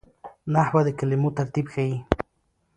نحوه د کلمو ترتیب ښيي.